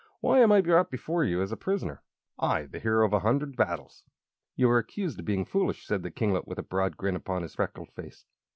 "Why am I brought before you as a prisoner I, the hero of a hundred battles?" "You are accused of being foolish," said the kinglet, with a broad grin upon his freckled face.